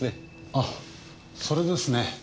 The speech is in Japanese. あそれですね。